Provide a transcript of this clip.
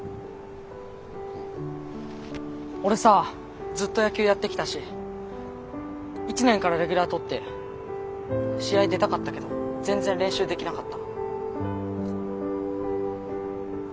俺さずっと野球やってきたし１年からレギュラー取って試合出たかったけど全然練習できなかった。